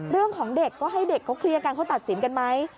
เรื่องของเด็กก็ให้เด็กเขาเคลียร์กันเขาตัดสินกันไหม